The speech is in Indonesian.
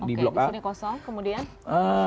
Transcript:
di blok a oke disini kosong kemudian